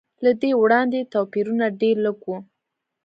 له دې وړاندې توپیرونه ډېر لږ و.